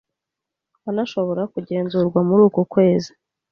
anashobora kugenzurwa muri uku kwezi.